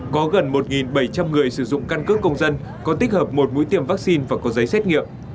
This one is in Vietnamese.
có gần một bảy trăm linh người sử dụng căn cước công dân có tích hợp một mũi tiêm vaccine và có giấy xét nghiệm